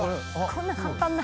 こんな簡単な。